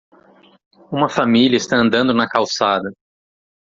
Uma família está andando na calçada.